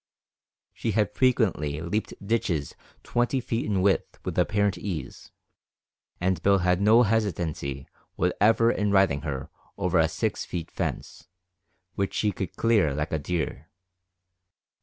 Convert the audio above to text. She had frequently leaped ditches twenty feet in width with apparent ease, and Bill had no hesitancy whatever in riding her over a six feet fence, which she could clear like a deer.